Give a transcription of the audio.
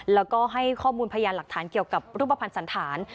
แล้วก็ให้ข้อมูลพยานหลักฐานเกี่ยวกับรูปภัณฑ์สันธาร